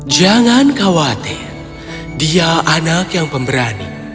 jangan khawatir dia anak yang pemberani